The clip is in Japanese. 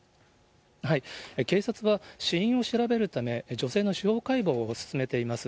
警察は死因を調べるため、女性の司法解剖を進めています。